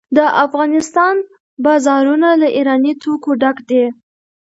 د افغانستان بازارونه له ایراني توکو ډک دي.